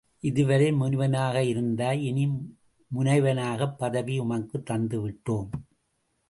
இதுவரை முனிவனாக இருந்தாய் இனி முனைவனாகப் பதவி உமக்குத் தந்து விட்டோம்.